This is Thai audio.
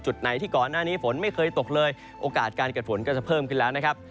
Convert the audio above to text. จุดไหนที่ก่อนหน้านี้ฝนไม่เคยตกเลยโอกาสการเกิดฝนก็จะเพิ่มขึ้นแล้วนะครับ